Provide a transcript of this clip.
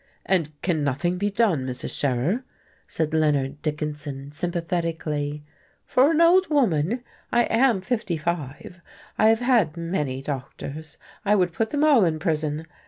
"And can nothing be done, Mrs. Scherer?" asked Leonard Dickinson, sympathetically. "For an old woman? I am fifty five. I have had many doctors. I would put them all in prison.